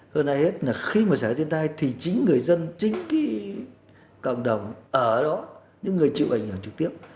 hơn ai hết là khi mà xảy ra thiên tai thì chính người dân chính cái cộng đồng ở đó những người chịu ảnh hưởng trực tiếp